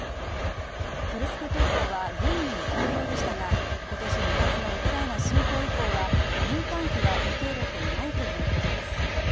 クルスク空港は軍民共用でしたが今年２月のウクライナ侵攻以降は民間機は受け入れていないということです